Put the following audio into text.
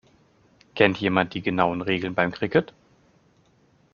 Kennt jemand die genauen Regeln beim Cricket?